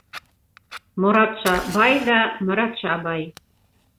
Моратша бай ҙа Моратша бай.